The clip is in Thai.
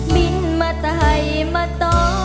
บินมาไทยมาต่อ